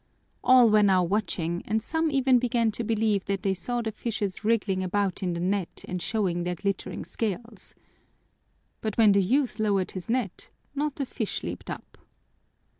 All were now watching and some even began to believe that they saw the fishes wriggling about in the net and showing their glittering scales. But when the youth lowered his net not a fish leaped up.